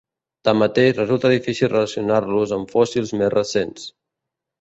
Tanmateix, resulta difícil relacionar-los amb fòssils més recents.